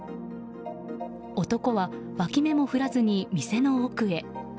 男は脇目も振らずに店の奥へ。